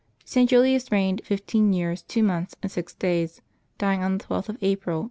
St. Julius reigned fifteen years, two months, and six da3^s, dying on the 12th of x\pril, 352.